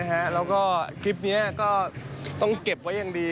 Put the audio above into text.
แล้วก็คลิปนี้ก็ต้องเก็บไว้อย่างดี